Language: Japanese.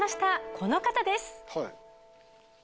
この方です。